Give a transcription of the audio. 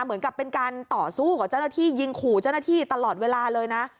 เหมือนกับเป็นการต่อสู้กับเจ้าหน้าที่ยิงขู่เจ้าหน้าที่ตลอดเวลาเลยนะ